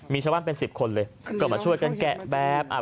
มีชาวบ้านเป็นสิบคนเลยก็มาช่วยกันแกะแบบ